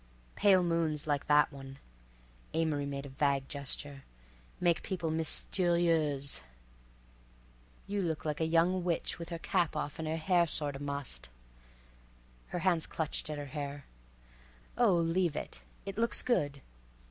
"Pale moons like that one"—Amory made a vague gesture—"make people mysterieuse. You look like a young witch with her cap off and her hair sorta mussed"—her hands clutched at her hair—"Oh, leave it, it looks good."